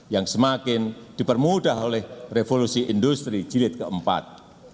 yang semakin dipermudah oleh revolusi industri jilid keempat